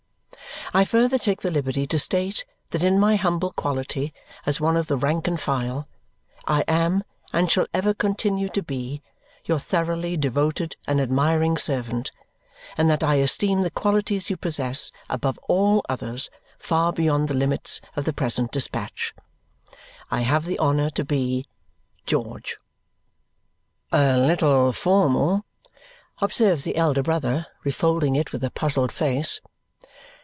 I further take the liberty to state that in my humble quality as one of the rank and file, I am, and shall ever continue to be, your thoroughly devoted and admiring servant and that I esteem the qualities you possess above all others far beyond the limits of the present dispatch. I have the honour to be, GEORGE "A little formal," observes the elder brother, refolding it with a puzzled face.